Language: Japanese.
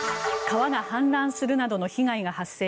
川が氾濫するなどの被害が発生。